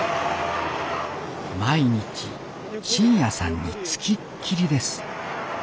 毎日真矢さんに付きっきりです